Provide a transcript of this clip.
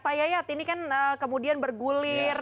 pak yayat ini kan kemudian bergulir